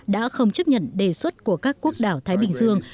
đã không chấp nhận đề xuất của các quốc đảo thái bình dương